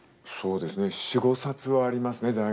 そうですね４５冊はありますね